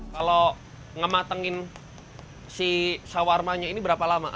kalau nge matangin si sawarmanya ini berapa lama